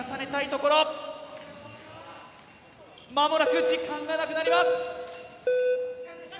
まもなく時間がなくなります。